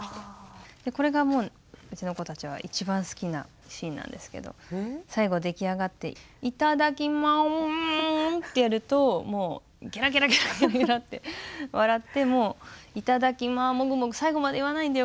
これがもううちの子たちは一番好きなシーンなんですけど最後出来上がって「いただきまー」ってやるともうゲラゲラゲラゲラゲラって笑ってもう「いただきまーもぐもぐ最後まで言わないんだよ